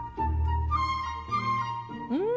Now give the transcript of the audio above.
うん！